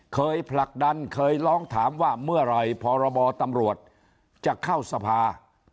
ผลักดันเคยร้องถามว่าเมื่อไหร่พรบตำรวจจะเข้าสภา